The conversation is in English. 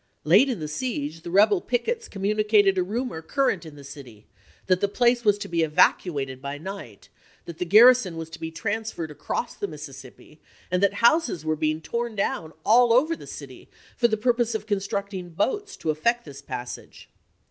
Late in the siege the rebel pickets com municated a rumor current in the city, that the place was to be evacuated by night ; that the gar rison was to be transferred across the Mississippi, and that houses were being torn down all over the city for the purpose of constructing boats to effect this passage.